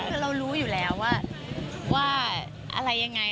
คือเรารู้อยู่แล้วว่าอะไรยังไง